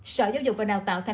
sở giáo dục và nào tạo tp hcm